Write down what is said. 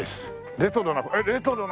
レトロな。